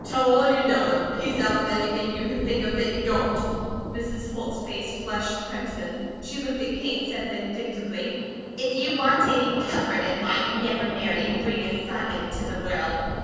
"Tell all you know, and then piece out with anything you can think of that you don't." Mrs. Holt's face flushed crimson. She looked at Kate and said vindictively: "If you want any comfort in life, never marry and bring a son inter the world.